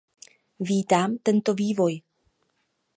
Vítám tento vývoj.